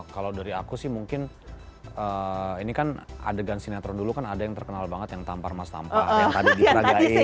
kalau dari aku sih mungkin ini kan adegan sinetron dulu kan ada yang terkenal banget yang tampar mas tampar yang tadi diseragain